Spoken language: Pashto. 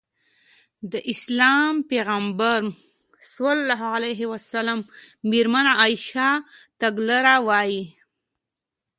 د اسلام پيغمبر ص مېرمنه عايشه تګلاره وايي.